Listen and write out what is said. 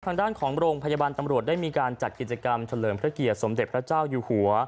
ทางด้านของโรงพยาบาลตำรวจได้มีการจัดกิจกรรมเฉลิมพระเกียรติสมเด็จพระเจ้าอยู่หัว